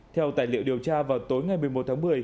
theo tài liệu điều tra vào tối ngày một mươi một tháng